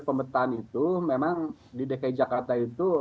pemetaan itu memang di dki jakarta itu